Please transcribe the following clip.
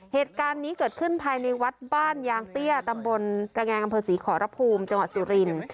เหตุการณ์นี้เกิดขึ้นภายในวัดบ้านยางเตี้ยตำบลตระแงงอำเภอศรีขอรภูมิจังหวัดสุรินทร์